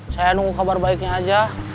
saya nunggu kabar baiknya aja